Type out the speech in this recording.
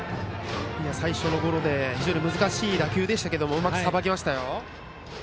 最初のゴロで非常に難しい打球でしたけどうまくさばきました。